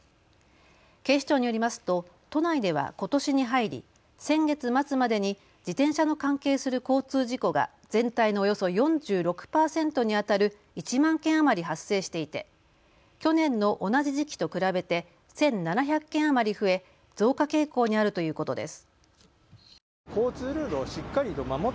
警視庁によりますと都内ではことしに入り先月末までに自転車の関係する交通事故が全体のおよそ４６％にあたる１万件余り発生していて去年の同じ時期と比べて１７００件余り増え増加傾向にあるということです。